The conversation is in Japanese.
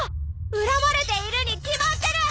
恨まれているに決まってる！